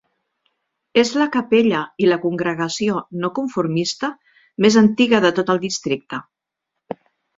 És la capella i la congregació no-conformista més antiga de tot el districte.